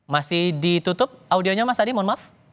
masih ditutup audionya mas adi mohon maaf